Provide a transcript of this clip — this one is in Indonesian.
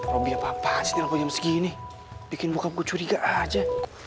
robby apaan sih nilai jam segini bikin bokap gue curiga aja